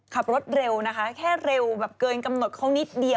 ขับรถเร็วนะคะแค่เร็วแบบเกินกำหนดเขานิดเดียว